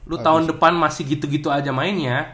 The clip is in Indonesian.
lu tahun depan masih gitu gitu aja mainnya